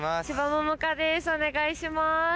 お願いします。